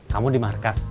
kamu di markas